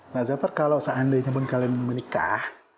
nah jafar kalau seandainya pun kalian menikah